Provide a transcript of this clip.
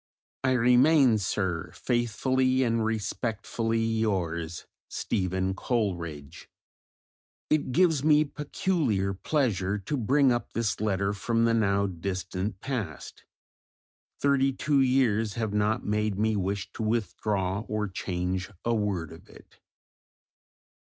I remain, Sir, Faithfully and Respectfully yours, STEPHEN COLERIDGE. It gives me peculiar pleasure to bring up this letter from the now distant past; thirty two years have not made me wish to withdraw or change a word of it.